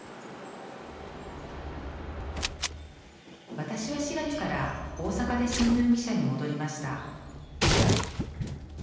私は４月から大阪で新聞記者に戻りました